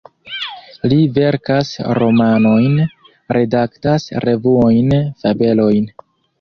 Li verkas romanojn, redaktas revuojn, fabelojn.